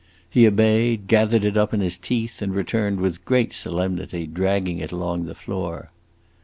He obeyed, gathered it up in his teeth, and returned with great solemnity, dragging it along the floor.